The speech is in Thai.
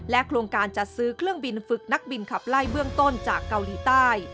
โครงการจัดซื้อเครื่องบินฝึกนักบินขับไล่เบื้องต้นจากเกาหลีใต้